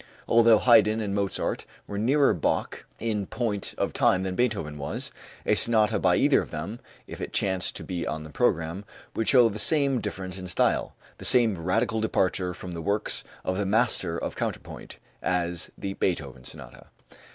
Although Haydn and Mozart were nearer Bach in point of time than Beethoven was, a sonata by either of them, if it chanced to be on the program, would show the same difference in style, the same radical departure from the works of the master of counterpoint, as the Beethoven sonata.